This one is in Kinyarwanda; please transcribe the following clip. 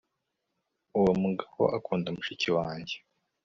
uwo mugabo akunda mushiki wanjye